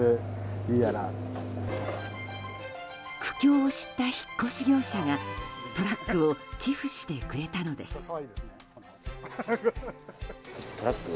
苦境を知った引っ越し業者がトラックを寄付してくれたのです。